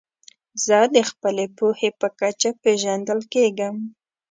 زه د خپلي پوهي په کچه پېژندل کېږم.